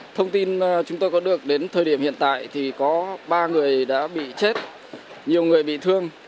thông tin chúng tôi có được đến thời điểm hiện tại thì có ba người đã bị chết nhiều người bị thương